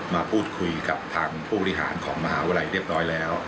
มาพูดคุยกับทางผู้บริหารของมหาวิทยาลัยเรียบร้อยแล้ว